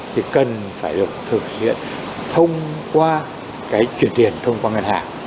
thì cần phải được thực hiện thông qua cái chuyển tiền thông qua ngân hàng